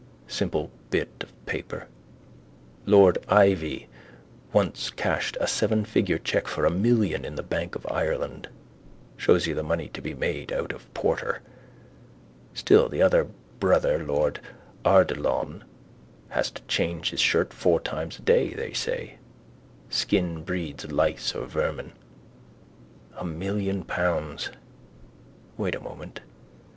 Simple bit of paper. Lord Iveagh once cashed a sevenfigure cheque for a million in the bank of Ireland. Shows you the money to be made out of porter. Still the other brother lord Ardilaun has to change his shirt four times a day, they say. Skin breeds lice or vermin. A million pounds, wait a moment.